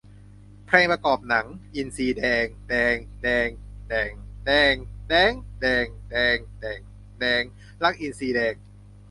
เพลงประกอบหนัง : อินทรีแดง แดง แดง แด่ง แดง แด๊ง แดง แดง แด่ง แดง รักอินทรีแดง